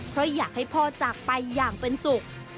เพราะอยากให้พ่อจากไปอย่างเป็นสุข